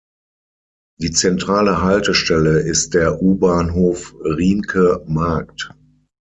Die zentrale Haltestelle ist der U-Bahnhof Riemke Markt.